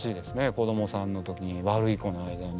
子どもさんの時にワルイコの間に。